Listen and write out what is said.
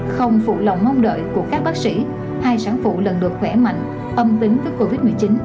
không phụ lòng mong đợi của các bác sĩ hai sản phụ lần được khỏe mạnh âm tính với covid một mươi chín